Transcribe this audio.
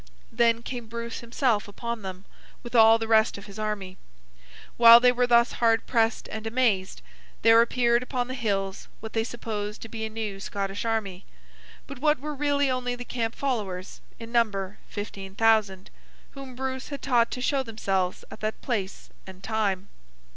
Then came Bruce himself upon them, with all the rest of his army. While they were thus hard pressed and amazed, there appeared upon the hills what they supposed to be a new Scottish army, but what were really only the camp followers, in number fifteen thousand: whom Bruce had taught to show themselves at that place and time.